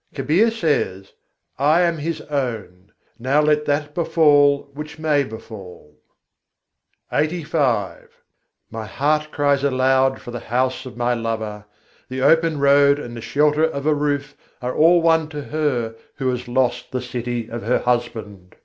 Kabîr says: "I am His own: now let that befall which may befall!" LXXXV III. 90. naihar se jiyarâ phât re My heart cries aloud for the house of my lover; the open road and the shelter of a roof are all one to her who has lost the city of her husband.